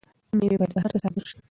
میوې باید بهر ته صادر شي.